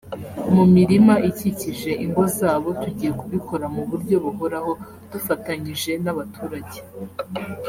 Mu mirima ikikije ingo zabo tugiye kubikora mu buryo buhoraho dufatanyije n’abaturage